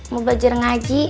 mau belajar ngaji